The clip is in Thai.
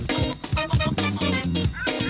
สวัสดีค่ะ